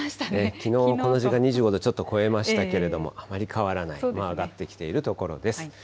きのう、この時間、２５度をちょっと超えましたけれども、あまり変わらない、もう上がってきているところです。